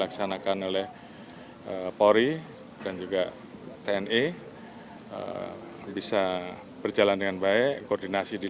kapolri menyebut dalam beberapa hari ini